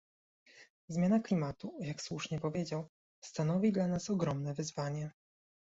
Zmiana klimatu, jak słusznie powiedział, stanowi dla nas ogromne wyzwanie